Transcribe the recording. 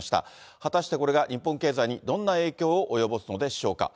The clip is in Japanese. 果たしてこれが日本経済にどんな影響を及ぼすのでしょうか。